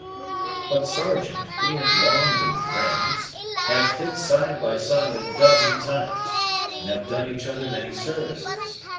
"But, Sergeant, we have long been friends; have fi't side by side a dozen times, and have done each other many services.